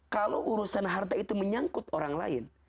kalau urusan harta itu menyangkut orang lain